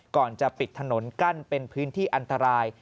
ก่อนจะปิดถนนกั้นเป็นพื้นที่อันตราย